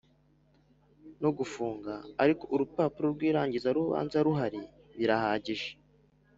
No gufunga ariko urupapuro rw irangizarubanza ruhari birahagije